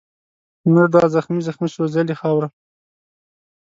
نور دا زخمې زخمي سوځلې خاوره